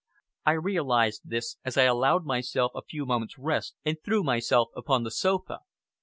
I realized this as I allowed myself a few moments' rest, and threw myself upon the sofa.